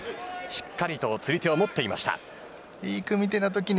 しっかりと釣り手を持っています。